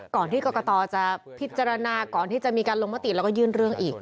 ก่อนที่กรกตจะพิจารณาก่อนที่จะมีการลงมติแล้วก็ยื่นเรื่องอีก